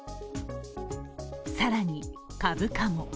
更に、株価も。